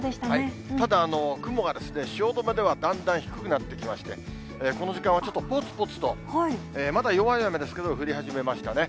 ただ、雲が汐留ではだんだん低くなってきまして、この時間はちょっとぽつぽつと、まだ弱い雨ですけれども、降り始めましたね。